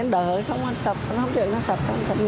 đợi không sập